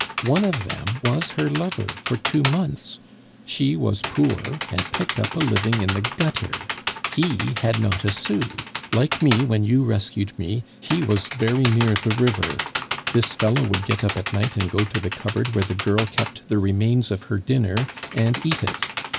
One of them was her lover for two months. She was poor, and picked up a living in the gutter; he had not a sou; like me, when you rescued me, he was very near the river; this fellow would get up at night and go to the cupboard where the girl kept the remains of her dinner and eat it.